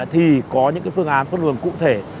thì có những phương án phân luồng cụ thể